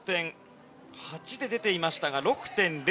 ５．８で出ていましたが６．０。